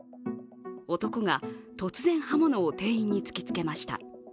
男が突然、刃物を店員に突きつけました。